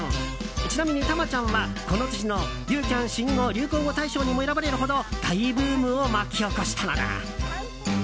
ちなみに「タマちゃん」はこの年のユーキャン新語・流行語大賞にも選ばれるほど大ブームを巻き起こしたのだ。